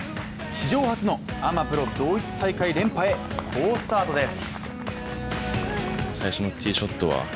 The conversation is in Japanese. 史上初のアマ・プロ同一大会連覇へ好スタートです。